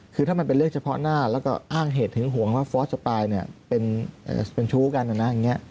คือถ้ามันเป็นเรื่องเฉพาะหน้าแล้วก็อ้างเหตุถึงห่วงว่าฟอร์สสปายเนี่ยเป็นชู้กันนะอย่างนี้